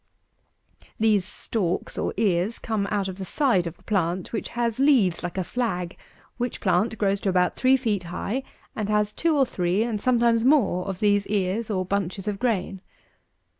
These stalks or ears come out of the side of the plant, which has leaves like a flag, which plant grows to about three feet high, and has two or three and sometimes more, of these ears or bunches of grain.